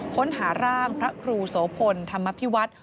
ค้นหาร่างพระครูโสพลธรรมพิวัฒน์